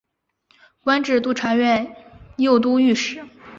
官至都察院右都御史。